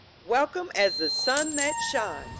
"Welcome as the sun that shines!"